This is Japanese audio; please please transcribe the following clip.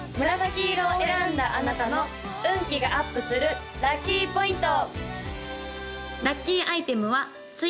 黄色を選んだあなたの運気がアップするラッキーポイント！